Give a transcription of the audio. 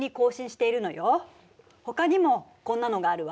ほかにもこんなのがあるわ。